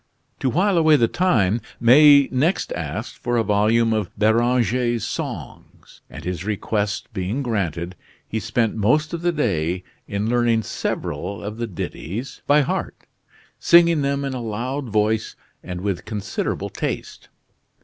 To while away the time, May next asked for a volume of Beranger's songs, and his request being granted, he spent most of the day in learning several of the ditties by heart, singing them in a loud voice and with considerable taste.